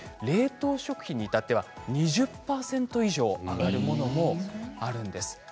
冷凍食品に至っては２０％以上上がるものもあるんです。